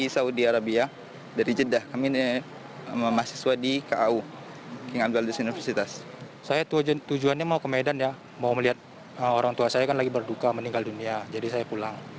saya tujuannya mau ke medan ya mau melihat orang tua saya kan lagi berduka meninggal dunia jadi saya pulang